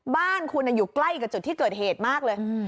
บ้านคุณอยู่ใกล้กับจุดที่เกิดเหตุมากเลย